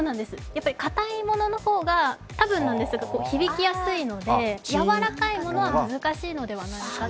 かたいものの方が響きやすいのでやわらかいものは難しいんじゃないかと。